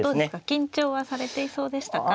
緊張はされていそうでしたか。